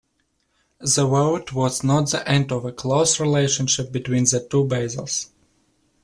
That vote was not the end of a close relationship between the two Basels.